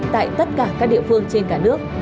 tại tất cả các địa phương trên cả nước